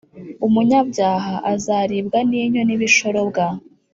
umunyabyaha azaribwa n’inyo n’ibishorobwa,